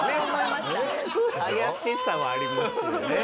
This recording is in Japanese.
怪しさはありますよね。